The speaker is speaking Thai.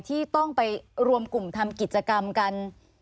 ที่ต้องไปรวมกลุ่มทำกิจกรรมกัน